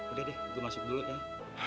udah deh itu masuk dulu deh